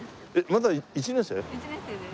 まだ１年生？